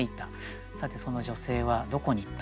「さてその女性はどこに行ったのか」。